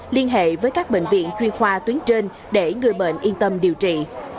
liên hệ với các bệnh viện chuyên khoa tuyến trên để người bệnh yên tâm điều trị